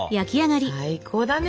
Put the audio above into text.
最高だね。